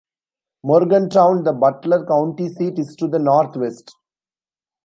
Morgantown, the Butler County seat, is to the northwest.